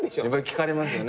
聞かれますよね。